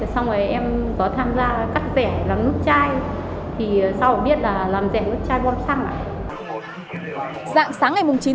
xong rồi em có tham gia cắt rẻ làm nút chai thì sau đó biết là làm rẻ nút chai bom xăng lại